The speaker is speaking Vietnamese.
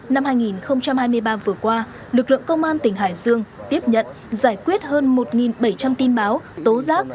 năm hai nghìn hai mươi ba vừa qua lực lượng công an tỉnh hải dương tiếp nhận giải quyết hơn một bảy trăm linh tin báo tố giác